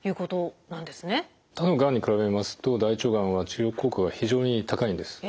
他のがんに比べますと大腸がんは治療効果が非常に高いんです。